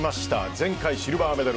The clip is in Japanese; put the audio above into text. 前回シルバーメダル